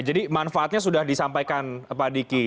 jadi manfaatnya sudah disampaikan pak diki